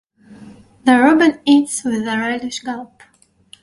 The robin eats with a relishing gulp.